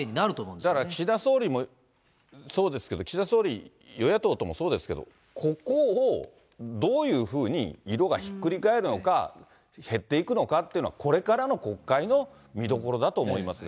だから岸田総理もそうですけど、岸田総理、与野党ともそうですけど、ここをどういうふうに色がひっくり返るのか、減っていくのかっていうのは、これからの国会の見どころだと思いますが。